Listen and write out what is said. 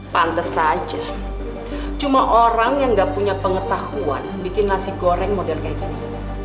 pantes saja cuma orang yang gak punya pengetahuan bikin nasi goreng model kayak gini